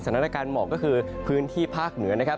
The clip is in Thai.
สถานการณ์หมอกก็คือพื้นที่ภาคเหนือนะครับ